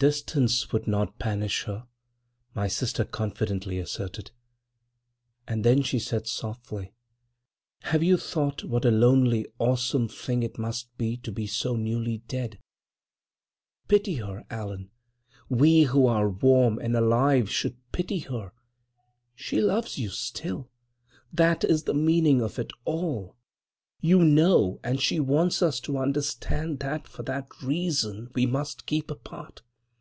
"Distance would not banish her," my sister confidently asserted. And then she said, softly: "Have you thought what a lonely, awesome thing it must be to be so newly dead? Pity her, Allan. We who are warm and alive should pity her. She loves you still,—that is the meaning of it all, you know—and she wants us to understand that for that reason we must keep apart.